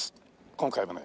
今回はね